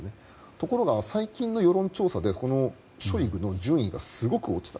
ところが、最近の世論調査でショイグの順位がすごい落ちた。